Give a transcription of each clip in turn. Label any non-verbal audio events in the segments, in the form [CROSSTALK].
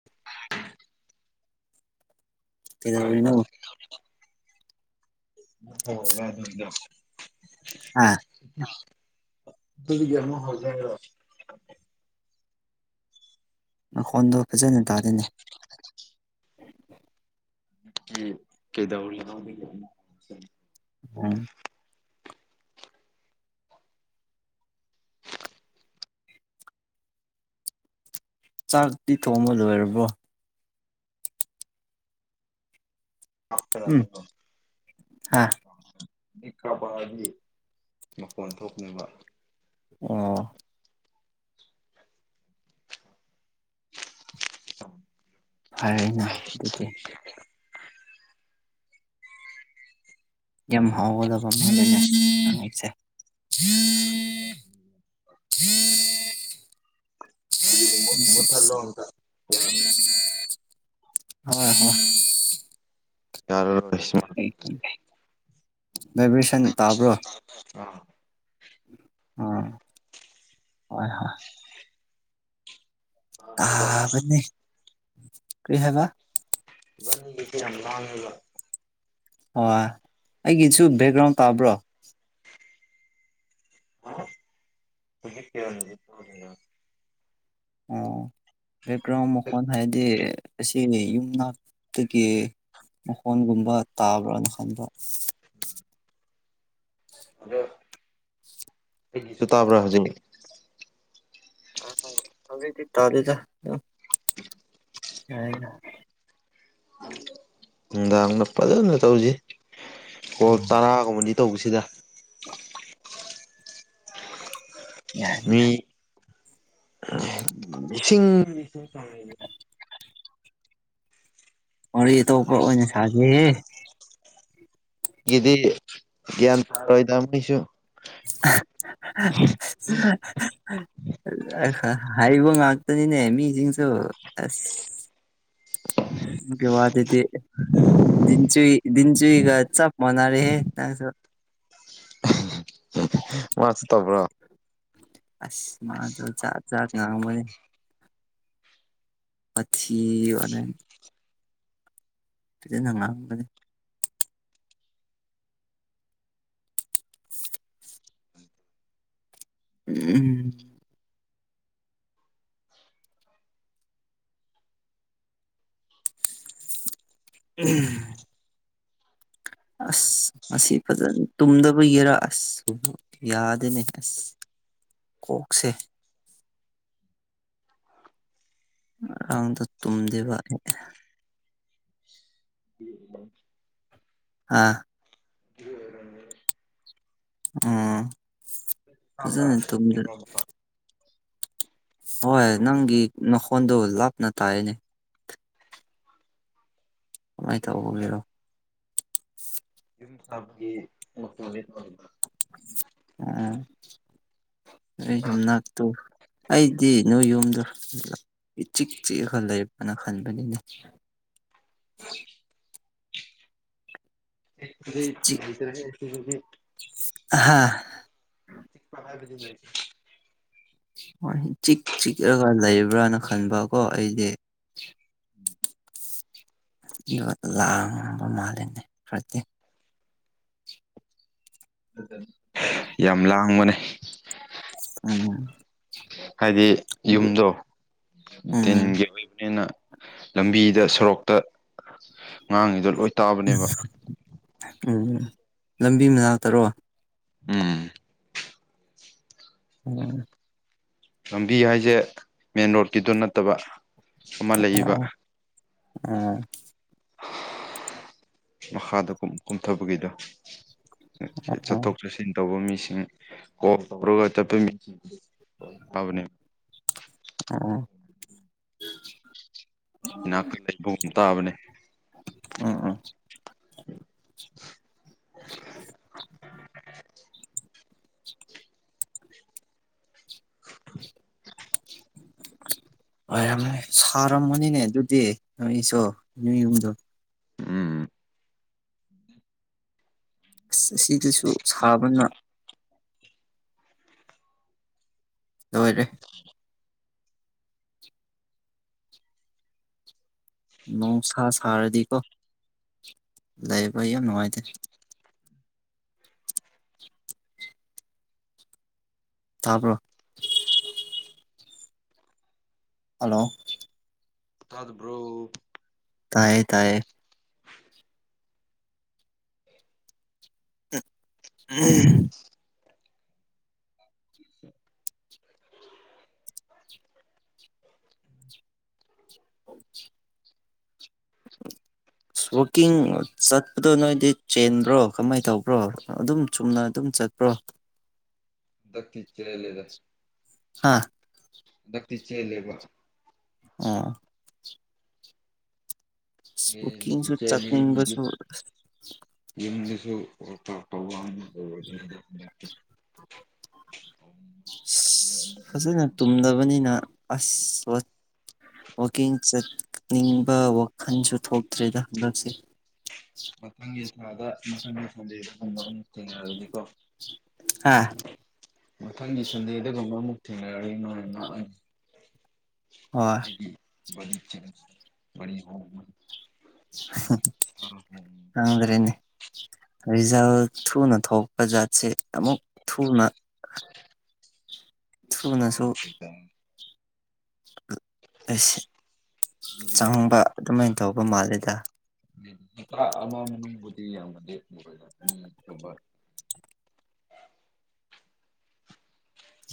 [UNINTELLIGIBLE] ꯀꯩꯗꯧꯔꯤꯅꯣ [UNINTELLIGIBLE] ꯑꯥ [UNINTELLIGIBLE] ꯍꯧꯖꯦ ꯍꯥꯏꯔꯣ ꯃꯈꯣꯟꯗꯣ ꯐꯖꯅ ꯇꯥꯗꯦꯅꯦ ꯀꯤ ꯀꯩꯗꯧꯔꯤꯅꯣ ꯎꯝ ꯆꯥꯛꯇꯤ ꯊꯣꯡꯕ ꯂꯣꯏꯔꯕꯣ ꯑ ꯎꯝ ꯍꯥ [UNINTELLIGIBLE] ꯄꯤꯛꯈ꯭ꯔꯕ ꯍꯥꯏꯗꯤ ꯃꯈꯣꯟ ꯊꯣꯛꯅꯤꯕ ꯑꯣ [UNINTELLIGIBLE] ꯐꯔꯦꯅꯦ ꯑꯗꯨꯗꯤ ꯌꯥꯝ ꯍꯥꯎꯒꯗꯕ ꯑꯃ ꯂꯩꯔꯦ ꯅꯪ [INAUDIBLE] [UNINTELLIGIBLE] [UNINTELLIGIBLE] ꯍꯣꯏ ꯍꯣꯏ [INAUDIBLE] ꯍꯣꯏ ꯚꯥꯏꯕ꯭ꯔꯦꯁꯟ ꯇꯥꯕ꯭ꯔꯣ ꯑꯥ ꯎꯝ ꯍꯣꯏ ꯍꯣꯏ ꯇꯥꯕꯅꯦ ꯀꯔꯤ ꯍꯥꯏꯕ ꯏꯕꯥꯟꯅꯤꯒꯤꯁꯦ ꯌꯥꯝ ꯂꯥꯡꯉꯦꯕ ꯍꯣꯏ ꯑꯩꯒꯤꯁꯨ ꯕꯦꯛꯒ꯭ꯔꯥꯎꯟ ꯇꯥꯕ꯭ꯔꯣ [INAUDIBLE] ꯑꯣ ꯕꯦꯛꯒ꯭ꯔꯥꯎꯟ ꯃꯈꯣꯟ ꯍꯥꯏꯗꯤ ꯑꯁꯤꯅꯤ ꯌꯨꯝ ꯃꯅꯥꯛꯇꯒꯤ ꯃꯈꯣꯟꯒꯨꯝꯕ ꯇꯥꯕ꯭ꯔꯅ ꯈꯟꯕ ꯎꯝ ꯑꯗ ꯑꯩꯒꯤꯁꯨ ꯇꯥꯕ꯭ꯔꯥ ꯍꯧꯖꯤꯛ ꯍꯧꯖꯤꯛꯇꯤ ꯇꯥꯗꯦꯗ [INAUDIBLE] [UNINTELLIGIBLE] ꯌꯥꯔꯦ ꯌꯥꯔꯦ ꯅꯨꯡꯗꯥꯡꯗ ꯐꯖꯅ ꯇꯧꯁꯤ ꯀꯣꯜ ꯎꯝ ꯇꯔꯥꯒꯨꯝꯕꯗꯤ ꯇꯧꯕꯁꯤꯗ [UNINTELLIGIBLE] [UNINTELLIGIBLE] ꯃꯤ ꯂꯤꯁꯤꯡ ꯋꯥꯔꯤ ꯑꯇꯣꯞꯄ ꯑꯣꯏꯅ ꯁꯥꯖꯦꯍꯦ ꯒꯤꯗꯤ ꯒ꯭ꯌꯥꯟ ꯐꯔꯣꯏꯗ ꯃꯤꯁꯨ [UNINTELLIGIBLE] ꯍꯥꯏꯕ ꯉꯥꯛꯇꯅꯤꯅꯦ ꯃꯤꯁꯤꯡꯁꯨ ꯑꯁ [INAUDIBLE] ꯋꯥꯗꯨꯗꯤ ꯗꯤꯟꯆꯨꯏ ꯗꯤꯟꯆꯨꯏꯒ ꯆꯞ ꯃꯥꯟꯅꯔꯦꯍꯦ ꯅꯪꯁꯨ ꯃꯥꯁꯨ ꯇꯧꯕ꯭ꯔꯥ ꯑꯁ ꯃꯥꯁꯨ ꯖꯥꯠ ꯖꯥꯠ ꯉꯥꯡꯕꯅꯦ ꯋꯥꯊꯤ ꯋꯥꯔꯦꯝ ꯐꯖꯅ ꯉꯥꯡꯕꯅꯦ ꯎꯝ ꯎꯝ ꯑꯁ ꯉꯁꯤ ꯐꯖꯅ ꯇꯨꯝꯗꯕꯒꯤꯔ ꯑꯁ ꯌꯥꯗꯦꯅꯦ ꯑꯁ ꯀꯣꯛꯁꯦ ꯉꯔꯥꯡꯗꯣ ꯇꯨꯝꯗꯦꯕ [UNINTELLIGIBLE] ꯑꯥ [INAUDIBLE] ꯑꯥ ꯇꯕ꯭ꯔ [UNINTELLIGIBLE] ꯍꯣꯢ ꯅꯪꯒꯤ ꯅꯈꯣꯟꯗꯣ ꯂꯥꯞꯅ ꯇꯥꯢꯌꯦꯅꯦ ꯀꯃꯥꯢꯅ ꯇꯧꯕꯕꯤꯔꯣ ꯌꯨꯝ ꯁꯥꯕꯒꯤ [UNINTELLIGIBLE] ꯑ ꯑꯩ ꯌꯨꯝꯅꯛ ꯑꯩꯗꯤ ꯅꯣꯢ ꯌꯨꯝꯗꯣ ꯏ ꯆꯤꯛ ꯆꯤꯛꯑꯒ ꯂꯩꯕꯅ ꯈꯜꯄꯅꯤꯅꯦ [UNINTELLIGIBLE] ꯍꯥꯥ [UNINTELLIGIBLE] ꯍꯣꯢ ꯆꯤꯛ ꯆꯤꯛꯂꯒ ꯂꯩꯕ꯭ꯔꯅ ꯈꯟꯕꯀꯣ ꯑꯩꯗꯤ [INAUDIBLE] ꯌꯝꯅ ꯂꯝꯕ ꯃꯥꯂꯤꯅꯦ [UNINTELLIGIBLE] ꯌꯥꯝ ꯂꯥꯡꯕꯅꯦ ꯎꯝ ꯍꯥꯢꯗꯤ ꯑꯗꯨ ꯌꯨꯝꯗꯣ ꯎꯝ ꯇꯤꯟꯒꯤ ꯑꯣꯢꯕꯅꯤꯅ ꯂꯝꯕꯤꯗ ꯁꯣꯔꯣꯛꯇ ꯉꯥꯡꯉꯤꯗꯣ ꯂꯣꯢ ꯎꯝ ꯂꯝꯕꯤ ꯃꯅꯥꯛꯇꯔꯣ ꯎꯝ ꯎꯝ ꯂꯝꯕꯤ ꯍꯥꯢꯖꯦ ꯃꯦꯟ ꯔꯣꯗꯀꯤꯗꯨꯣ ꯅꯠꯇꯕ ꯑꯃ ꯑ ꯂꯩꯕ ꯎꯝ ꯃꯈꯥꯗ ꯀꯨꯝ ꯀꯨꯝꯊꯕꯒꯤꯗꯣ ꯑꯣ ꯆꯠꯊꯣꯛ ꯆꯠꯁꯤꯟ ꯇꯧꯕ ꯃꯤꯁꯤꯡ [UNINTELLIGIBLE] [INAUDIBLE] ꯎꯝ ꯏꯅꯥꯛꯇ ꯂꯩꯕꯒꯨꯝ ꯇꯥꯕꯅꯦ ꯎꯝ [INAUDIBLE] [INAUDIBLE] [INAUDIBLE] ꯑꯣꯢꯔꯝꯃꯦ ꯁꯥꯔꯝꯃꯅꯤꯅꯦ ꯑꯗꯨꯗꯤ ꯅꯣꯢꯁꯨ ꯅꯣꯢ ꯌꯨꯝꯗꯣ ꯎꯝ ꯑꯁ ꯁꯤꯗꯁꯨ ꯁꯥꯕꯅ ꯂꯣꯢꯔꯦ ꯅꯣꯡꯁꯥ ꯁꯥꯔꯗꯤꯀꯣ ꯂꯩꯕ ꯌꯥꯝ ꯅꯨꯡꯉꯥꯢꯇꯦ [INAUDIBLE] ꯇꯥꯕ꯭ꯔꯣ ꯍꯜꯂꯣ ꯇꯗꯕ꯭ꯔꯣ ꯇꯥꯢꯌꯦ ꯇꯥꯢꯌꯦ ꯑꯝ [INAUDIBLE] ꯍꯧ ꯖꯤ [INAUDIBLE] ꯑꯁ ꯋꯥꯛꯀꯤꯡ ꯆꯠꯄꯗꯣ ꯅꯣꯢꯗꯤ ꯆꯦꯟꯕ꯭ꯔꯣ ꯀꯃꯥꯢꯅ ꯇꯧꯕ꯭ꯔꯣ ꯑꯗꯨꯝ ꯆꯨꯝꯅ ꯑꯗꯨꯝ ꯆꯠꯄ꯭ꯔꯣ ꯗ ꯀꯈꯤ ꯆ ꯂꯩꯗ ꯍꯥꯥ ꯍꯟꯗꯛꯇꯤ ꯆꯦꯜꯂꯦꯕ ꯑꯥ ꯑꯁ ꯋꯥꯛꯀꯤꯡꯁꯨ ꯆꯠꯅꯤꯡꯕꯁꯨ ꯌꯦꯁꯨꯠꯇꯣ [INAUDIBLE] ꯎꯝ ꯎꯝ ꯐꯖꯅ ꯇꯨꯝꯗꯕꯅꯤꯅ ꯑꯁꯁ ꯋꯥꯋꯀꯤꯡ ꯆꯠꯅꯤꯡꯕ ꯋꯥꯈꯜꯁꯨ ꯊꯣꯛꯇ꯭ꯔꯦꯗ ꯍꯟꯗꯛꯁꯦ ꯃꯊꯗ ꯃꯊ ꯁꯗꯗ ꯗ ꯊꯦꯡꯅꯔꯗꯤꯀꯣ ꯍꯥ ꯃꯊꯪꯒꯤ ꯁꯟꯗꯦꯗꯒꯨꯝꯕ ꯑꯃꯨꯛ ꯊꯦꯡꯅꯔꯔꯤ ꯅꯣꯏ ꯍꯣꯏ ꯆꯅꯤ ꯈꯪꯗ꯭ꯔꯦꯅꯦ ꯔꯤꯖꯜ ꯊꯨꯅ ꯊꯣꯛ ꯕꯖꯥꯔꯠꯁꯦ ꯑꯃꯨꯛ ꯊꯨꯅ ꯊꯨꯅꯁꯨ ꯑꯩꯁ ꯆꯪꯕ ꯑꯗꯨꯃꯥꯏꯅ ꯇꯧꯕ ꯃꯥꯜꯂꯦꯗ ꯅꯨꯄꯥ ꯑꯃꯃ ꯃꯤꯕꯨꯗꯤ ꯌꯥꯝꯃꯗꯦꯏꯗ ꯑꯅꯤ ꯑꯣꯛꯇꯣꯕ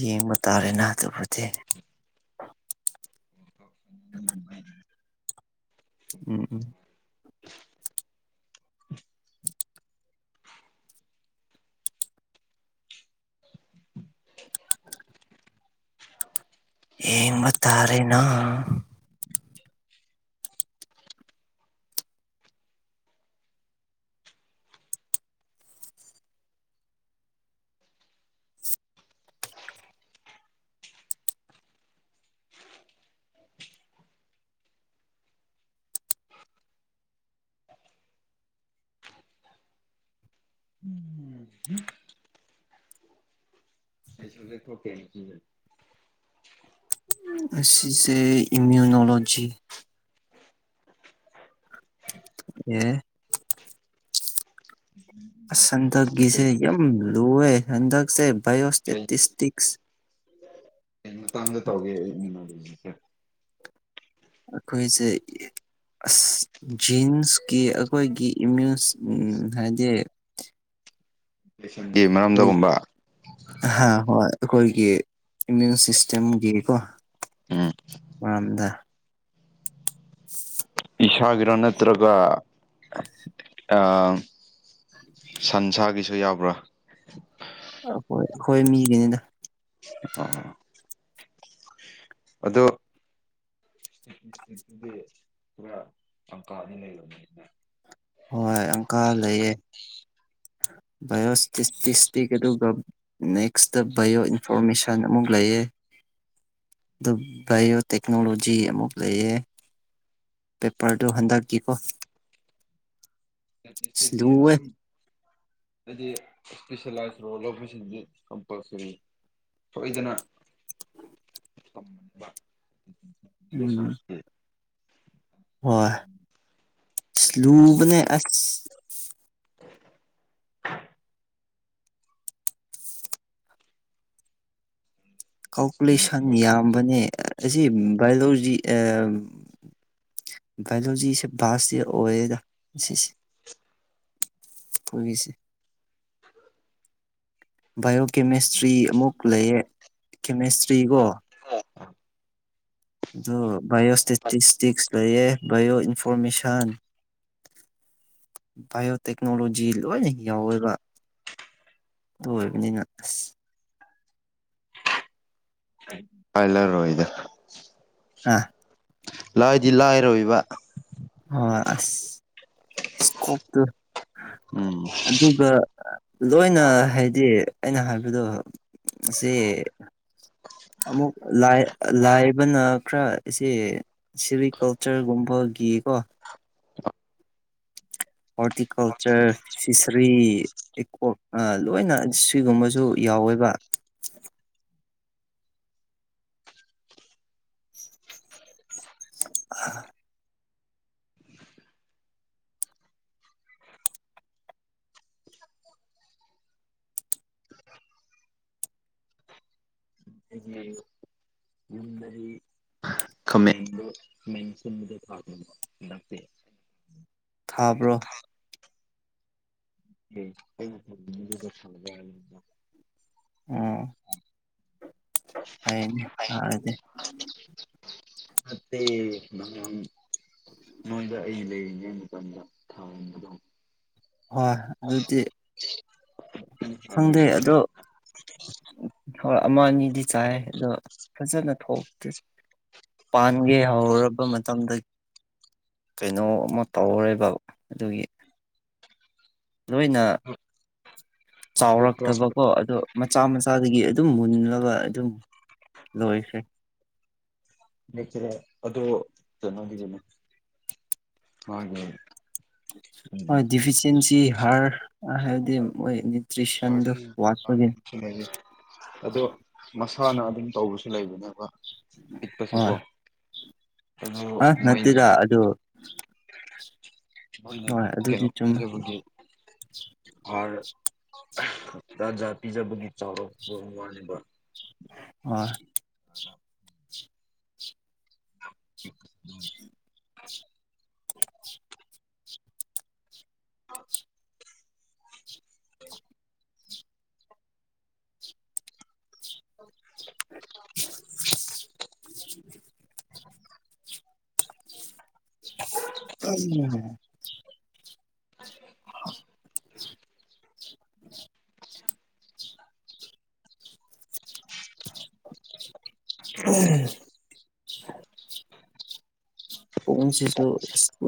ꯌꯦꯡꯕ ꯇꯥꯔꯦꯅꯦ ꯑꯗꯨꯕꯨꯗꯤ [INAUDIBLE] ꯎꯝ ꯎꯝ ꯌꯦꯡꯕ ꯇꯔꯦꯅ ꯑꯩ ꯁꯨꯝ ꯂꯩꯛꯊꯣꯛꯀꯦꯅ ꯈꯖꯦ ꯑꯁꯤ ꯁꯤꯁꯦ ꯏꯃ꯭ꯌꯨꯅꯣꯂꯣꯖꯤ ꯑꯦ ꯎꯝ ꯑꯁ ꯍꯟꯗꯛꯀꯤꯁꯦ ꯌꯥꯝ ꯂꯨꯑꯦ ꯍꯟꯗꯛꯁꯦ ꯕꯥꯏꯌꯑꯣꯁꯇꯦꯇꯤꯁꯇꯤꯛꯁ ꯃꯇꯥꯡꯗ ꯇꯧꯒꯦ ꯑꯩꯟꯅ ꯑꯗꯨ ꯑꯩꯈꯣꯏꯁꯦ ꯑꯁ ꯖꯤꯟꯁꯀꯤ ꯑꯩꯈꯣꯏꯒꯤ ꯏꯃ꯭ꯌꯨꯁ ꯍꯥꯏꯗꯤ ꯁꯤꯒꯤ ꯑꯩꯈꯣꯏ ꯃꯔꯝꯗꯒꯨꯝꯕ ꯍꯥ ꯍꯣꯏ ꯑꯩꯈꯣꯏꯒꯤ ꯏꯃ꯭ꯌꯨꯟ ꯁꯤꯁꯇꯦꯝꯒꯤꯀꯣ ꯎꯝ ꯋꯥꯝꯗ [INAUDIBLE] ꯏꯁꯥꯒꯤꯔꯥ ꯅꯠꯇ꯭ꯔꯒ ꯑꯥ ꯁꯟꯁꯥꯒꯤꯁꯨ ꯌꯥꯕ꯭ꯔꯥ ꯑꯈꯣꯏ ꯑꯩꯈꯣꯏ ꯃꯤꯒꯤꯅꯤꯅ ꯑ ꯑꯗꯣ ꯗꯤ ꯄꯨꯔ ꯄꯪꯀꯥꯅꯤ ꯂꯩꯔꯝꯃꯤ ꯍꯣꯏ ꯑꯪꯀꯥ ꯂꯩꯌꯦ ꯕꯥꯏꯑꯣꯐꯤꯇꯤꯁ ꯑꯗꯨꯒ ꯅꯦꯛꯁꯇ ꯕꯥꯏꯌꯑꯣ ꯏꯟꯐꯣꯔꯃꯦꯁꯟ ꯑꯃꯨꯛ ꯂꯩꯌꯦ ꯑꯗꯨ ꯕꯥꯏꯌꯑꯣ ꯇꯦꯛꯅꯣꯂꯣꯖꯤ ꯑꯃꯨꯛ ꯂꯩꯌꯦ ꯄꯦꯄꯔꯗꯨ ꯍꯟꯗꯛꯀꯤꯀꯣ ꯏꯁꯇꯗꯤ ꯂꯨꯋꯦ ꯑꯗꯨꯝ ꯍꯥꯏꯗꯤ ꯏꯁꯄꯤꯁꯂꯥꯏꯁ ꯔꯣꯜ ꯑꯣꯐꯟ ꯀꯝꯄꯜꯁꯔꯤ ꯁꯣꯏꯗꯅ ꯎꯝ ꯁꯁ ꯍꯣꯏ ꯂꯨꯕꯅꯦ ꯑꯁ [INAUDIBLE] ꯀꯥꯜꯀꯨꯂꯦꯁꯟ ꯌꯥꯝꯕꯅꯦ ꯑꯁꯤ ꯕꯥꯏꯑꯣꯂꯣꯖꯤ ꯚꯥꯏꯂꯣꯖꯤꯁꯦ ꯄꯥꯁꯇꯤ ꯑꯣꯏꯌꯦꯗ ꯑꯣꯏꯔꯤꯁꯦ ꯎ ꯕꯥꯏꯑꯣ ꯀꯦꯃꯤꯁꯇ꯭ꯔꯤ ꯑꯃꯨꯛ ꯂꯩꯌꯦ ꯀꯦꯃꯤꯁꯇ꯭ꯔꯤꯒꯣ ꯑ ꯑꯗꯨ ꯕꯥꯏꯑꯣꯁꯇꯦꯇꯤꯁꯇꯤꯛꯁ ꯂꯩꯌꯦ ꯕꯥꯏꯑꯣ ꯏꯟꯐꯣꯔꯃꯦꯁꯟ ꯕꯥꯏꯑꯣꯇꯦꯛꯅꯣꯂꯣꯖꯤ ꯂꯣꯏꯅ ꯌꯥꯎꯋꯦꯕ ꯑꯗꯨ ꯑꯣꯏꯕꯅꯤꯅ ꯑꯁ ꯄꯥꯏꯂꯔꯣꯏꯗ ꯑ ꯂꯥꯏꯗꯤ ꯂꯥꯏꯔꯣꯏꯕ ꯍꯣꯏ ꯑꯁ ꯏꯁꯀꯣꯞꯇꯨ ꯑꯗꯨꯒ ꯂꯣꯏꯅ ꯍꯥꯏꯗꯤ ꯑꯩꯅ ꯍꯥꯏꯕꯗꯣ ꯁꯤ ꯑꯃꯨꯛ ꯂꯥꯏ ꯂꯥꯏꯕꯅ ꯈꯔ ꯏꯁꯦ ꯁꯤꯔꯤ ꯀꯜꯆꯔꯒꯨꯝꯕ ꯒꯤꯀꯣ ꯍꯣꯔꯇꯤꯀꯜꯆꯔ ꯐꯤꯁꯔꯤ ꯏꯀꯣꯛ ꯑ ꯂꯣꯏꯅ ꯁꯤꯒꯨꯝꯕꯁꯨ ꯌꯥꯎꯋꯦꯕ ꯑ ꯒꯤ ꯌꯨꯝꯗꯗꯤ ꯈꯨꯝꯃꯦ ꯊꯥꯗꯣ ꯅꯞꯄꯦ ꯊꯥꯕ꯭ꯔꯣ ꯀ ꯑꯣ ꯍꯥꯏꯅꯦ ꯍꯗꯦ [UNINTELLIGIBLE] ꯃꯇꯦ ꯃꯉꯥꯡ ꯅꯣꯏꯗ ꯑꯩ ꯂꯩꯔꯤꯉꯩ ꯃꯇꯝꯗ ꯊꯝꯕꯗꯣ ꯍꯣꯏ ꯑꯗꯨꯗꯤ ꯈꯪꯗꯦ ꯑꯗꯣ ꯍꯣꯏ ꯑꯃ ꯑꯅꯤꯗꯤ ꯆꯥꯏ ꯑꯗꯣ ꯐꯖꯟꯅ ꯊꯣꯛꯇꯦ ꯄꯥꯟꯒꯦ ꯍꯧꯔꯕ ꯃꯇꯝꯗ ꯀꯩꯅꯣ ꯑꯃ ꯇꯧꯔꯔꯦꯕ ꯑꯗꯨꯒꯤ ꯅꯣꯏꯅ ꯆꯥꯎꯔꯛꯇꯕꯀꯣ ꯑꯗꯣ ꯃꯆꯥ ꯃꯆꯥꯗꯒꯤ ꯑꯗꯨꯝ ꯃꯨꯟꯅꯕ ꯑꯗꯨꯝ ꯂꯣꯏꯈ꯭ꯔꯦ ꯂꯩꯇ꯭ꯔꯦ ꯑꯗꯣ ꯀꯩꯅꯣꯒꯤꯗꯨꯅꯦ ꯍꯥꯏ [UNINTELLIGIBLE] ꯍꯣꯏ ꯗꯤꯐꯤꯁꯦꯟꯁꯤ ꯍꯥꯔ ꯍꯥꯏꯕꯗꯤ ꯃꯣꯏ ꯅ꯭ꯌꯨꯇ꯭ꯔꯤꯁꯟꯗꯣ ꯑꯗꯒꯤ ꯋꯥꯠꯄꯒꯤ ꯑꯒꯤ ꯁꯤꯅꯩꯌꯦ ꯑꯗꯣ ꯃꯁꯥꯅ ꯑꯗꯨꯝ ꯇꯧꯕꯁꯨ ꯂꯩꯕꯅꯦꯕ ꯄꯤꯛꯄꯁꯨꯀꯣ ꯍꯣꯏ ꯑꯗꯨ ꯑ ꯃꯣꯏꯅ ꯅꯠꯇꯦꯗ ꯑꯗꯨ ꯝꯣꯏꯅ ꯍꯣꯏ ꯀꯩꯅꯣ ꯑꯗꯨꯗꯤ ꯆꯨꯝꯃꯦ ꯄꯖꯕꯒꯤ ꯑꯗ ꯖꯥꯠ ꯖꯥꯠ ꯄꯤꯖꯕꯒꯤ ꯆꯥꯎꯔꯛꯄ ꯋꯥꯅꯦꯕ ꯑꯣ ꯎꯝ [INAUDIBLE] [INAUDIBLE] [INAUDIBLE] [INAUDIBLE] ꯀꯩꯅꯣꯅꯦ [UNINTELLIGIBLE] [INAUDIBLE] [INAUDIBLE] ꯑꯍꯝ [UNINTELLIGIBLE] ꯄꯨꯡꯁꯤꯁꯨ